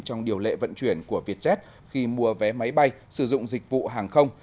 trong điều lệ vận chuyển của vietjet khi mua vé máy bay sử dụng dịch vụ hàng không